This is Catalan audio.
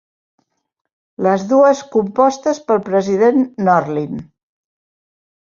Les dues compostes pel president Norlin.